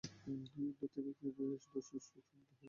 নাতিনাতনীর দর্শনসুখ সম্বন্ধে হাল ছেড়ে দিয়ে মা ইহলোক ত্যাগ করলে।